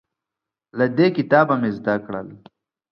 له دې کتابه مې زده کړل